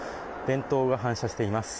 電灯が反射しています。